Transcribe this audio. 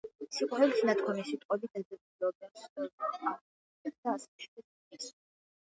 სიყვარულით ნათქვამი სიტყვები დაძაბულობას ამსუბუქებს და სიმშვიდეს ქმნის.